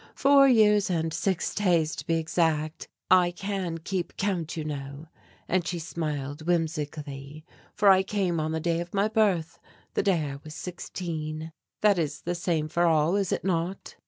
Four years and six days, to be exact. I can keep count you know," and she smiled whimsically, "for I came on the day of my birth, the day I was sixteen." "That is the same for all, is it not?"